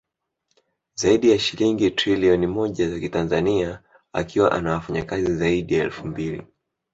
Zaidi ya shilingi Trilioni moja za kitanzania akiwa ana wafanyakazi zaidi ya elfu mbili